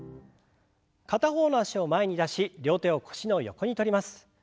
片方の脚を前に出し両手を腰の横に取ります。